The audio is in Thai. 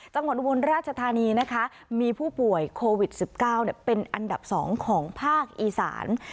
อุบลราชธานีนะคะมีผู้ป่วยโควิด๑๙เป็นอันดับ๒ของภาคอีสาน